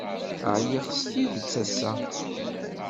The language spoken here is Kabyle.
Ɛyiɣ s tidet ass-a.